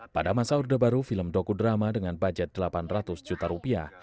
pada masa order baru film dokudrama dengan budget delapan ratus juta rupiah